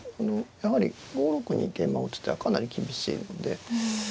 やはり５六に桂馬を打つ手はかなり厳しいので。